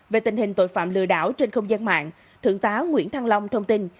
về tình hình tội phạm lừa đảo trên không gian mạng thượng tá nguyễn thăng long thông tin